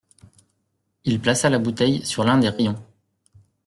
Il plaça la bouteille sur l’un des rayons.